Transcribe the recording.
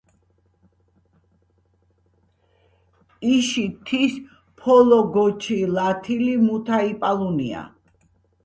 იში თის ფოლოგოჩილათილი მუთა იპალუნია."